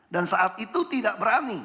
dan saat itu tidak berani